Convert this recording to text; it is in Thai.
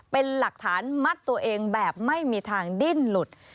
เป็นหลักฐานมัดตัวเองแบบไม่มีทางดิ้นหลุด